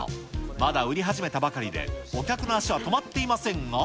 まだ売り始めたばかりで、お客の足は止まっていませんが。